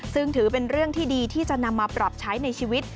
ซึ่งถือเป็นเรื่องที่ดีที่จะนำมาปรับใช้ในชีวิต